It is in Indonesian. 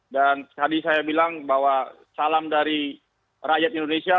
dan tadi saya bilang bahwa salam dari rakyat indonesia